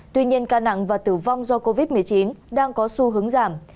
tuy nhiên ca nặng và tử vong do covid một mươi chín đang có xu hướng giảm